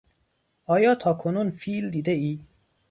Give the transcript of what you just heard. آیا تاکنون فیل دیدهای؟